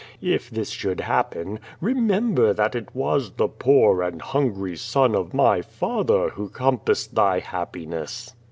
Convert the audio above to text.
If this should happen, remember that it was the poor and hungry son of my father who compassed thy happiness."